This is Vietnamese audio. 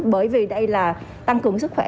bởi vì đây là tăng cường sức khỏe